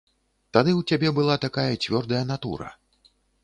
Тады ў цябе была такая цвёрдая натура.